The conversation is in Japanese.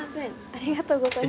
ありがとうございます。